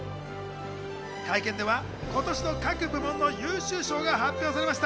会見では今年の各部門の優秀賞が発表されました。